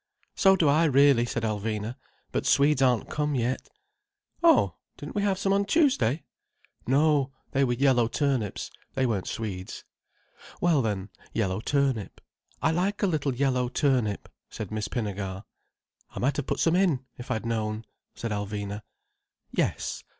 "So do I, really," said Alvina. "But Swedes aren't come yet." "Oh! Didn't we have some on Tuesday?" "No, they were yellow turnips—but they weren't Swedes." "Well then, yellow turnip. I like a little yellow turnip," said Miss Pinnegar. "I might have put some in, if I'd known," said Alvina. "Yes.